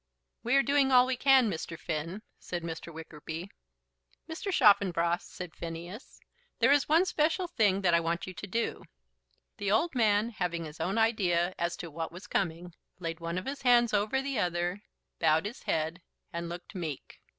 "We are doing all we can, Mr. Finn," said Mr. Wickerby. "Mr. Chaffanbrass," said Phineas, "there is one special thing that I want you to do." The old man, having his own idea as to what was coming, laid one of his hands over the other, bowed his head, and looked meek.